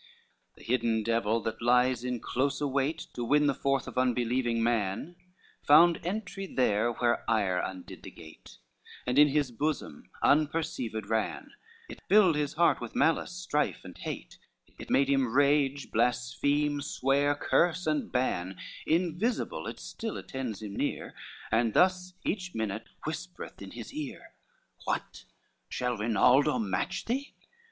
XVIII The hidden devil, that lies in close await To win the fort of unbelieving man, Found entry there, where ire undid the gate, And in his bosom unperceived ran; It filled his heart with malice, strife and hate, It made him rage, blaspheme, swear, curse and ban, Invisible it still attends him near, And thus each minute whispereth in his ear. XIX What, shall Rinaldo match thee?